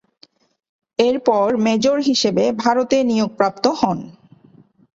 এরপর মেজর হিসেবে ভারতে নিয়োগপ্রাপ্ত হন।